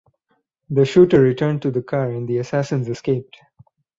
The shooter returned to the car and the assassins escaped.